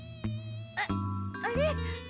あっあれ？